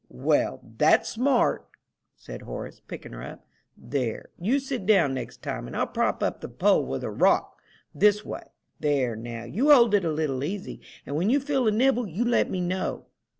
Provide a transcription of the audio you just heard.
"Well, that's smart!" said Horace, picking her up. "There, you sit down next time, and I'll prop up the pole with a rock this way. There, now, you hold it a little easy, and when you feel a nibble you let me know."